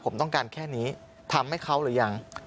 ผมต้องการแค่นี้ทำให้เขาหรือยัง